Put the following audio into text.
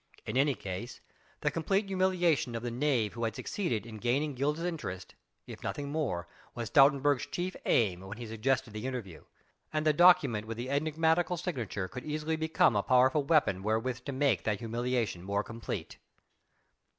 In any case the complete humiliation of the knave who had succeeded in gaining Gilda's interest, if nothing more, was Stoutenburg's chief aim when he suggested the interview, and the document with the enigmatical signature could easily become a powerful weapon wherewith to make that humiliation more complete.